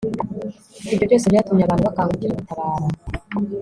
ibyo byose byatumye abantu bakangukira gutabara